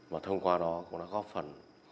và thông qua đó cũng góp phần